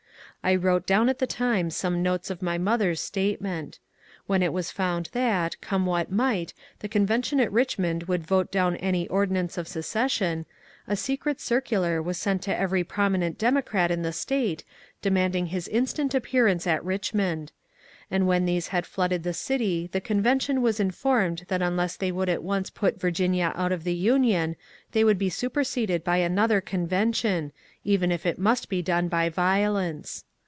I wrote down at the time some notes of my mother's statement. When it was found that, come what might, the convention at Eichmond would vote down any ordi nance of secession, a secret circular was sent to every promi nent Democrat in the State, demanding his instant appearance in Richmond ; and when these had flooded the city the con vention was informed that unless they would at once put Vir ginia out of the Union they would be superseded by another convention, even if it must be done by violence.